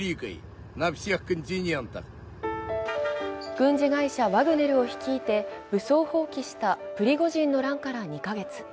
軍事会社ワグネルを率いて武装蜂起したプリゴジンの乱から２か月。